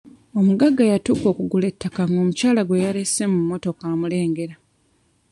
Omugagga yatuuka okugula ettaka nga omukyala gwe yalese mu mmotoka amulengera.